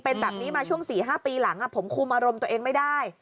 เป็นแบบนี้มาช่วง๔๕ปีหลังผมคุมอารมณ์ตัวเองไม่ได้